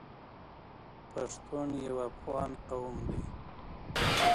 پښتون یو افغان قوم دی.